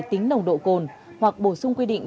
tính nồng độ cồn hoặc bổ sung quy định